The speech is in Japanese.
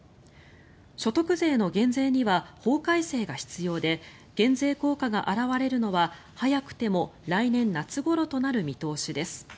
所得税の減税には法改正が必要で減税効果が表れるのは早くても来年夏ごろとなる見通しです。